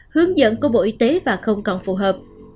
hướng dẫn của bộ y tế và không còn phù hợp